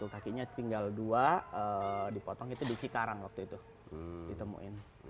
kakinya tinggal dua dipotong itu di cikarang waktu itu ditemuin